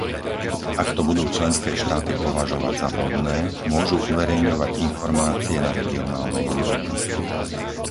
Ak to budú členské štáty považovať za vhodné, môžu uverejňovať informácie na regionálnej úrovni.